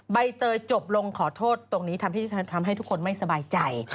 ใบเตยจบลงขอโทษตรงนี้ทำให้ทุกคนไม่สบายใจ